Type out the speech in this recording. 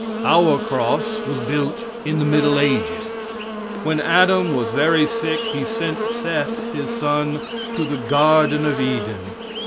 Our cross was built in the middle ages. When Adam was very sick he sent Seth, his son, to the garden of Eden.